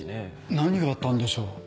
何があったんでしょう？